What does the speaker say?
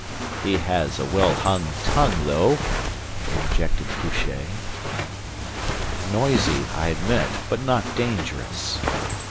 "He has a well hung tongue though," interjected Fouché. "Noisy, I admit, but not dangerous."